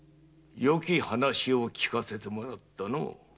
よき話を聞かせてもらったのう。